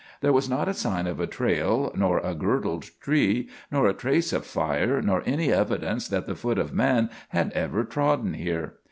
There was not a sign of a trail, nor a girdled tree, nor a trace of fire, nor any evidence that the foot of man had ever trodden there.